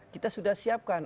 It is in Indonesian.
kita sudah siapkan